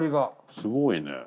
すごいね。